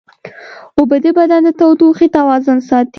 اوبه د بدن د تودوخې توازن ساتي